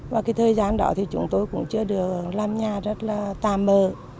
và cái thời gian đó thì chúng tôi cũng chưa được làm nhà rất là tà mờ